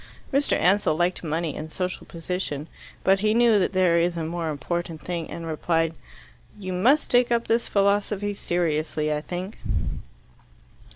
Mr. Ansell liked money and social position. But he knew that there is a more important thing, and replied, "You must take up this philosophy seriously, I think."